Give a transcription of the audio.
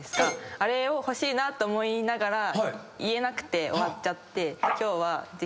あれを欲しいなと思いながら言えなくて終わっちゃって。